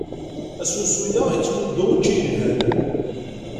Asensu-a yettmuddu učči yelhan.